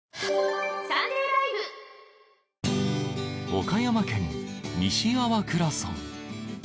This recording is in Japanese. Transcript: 岡山県西粟倉村。